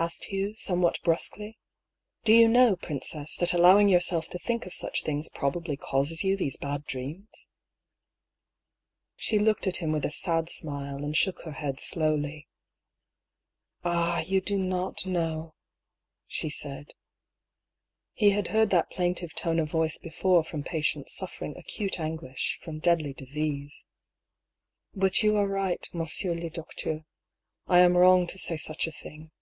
asked Hugh, somewhat brusquely. " Do you know, princess, that allowing yourself to think of such things probably causes you these bad dreams ?" She looked at him with a sad smile, and shook her head slowly. " Ah ! you do not know !" she said. He had heard that plaintive tone of voice before from patients suffer ing acute anguish from deadly disease. " But you are right, monsieur le docteur, I am wrong to say such a thing.